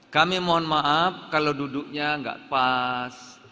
kami mohon maaf kalau duduknya gak pas